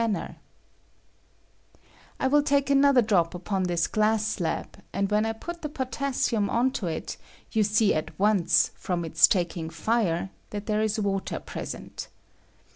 manner, I mil take another drop upon this glass slab, and when I put the potassium on to it, you see at once, from its taking fire, that there ia water present.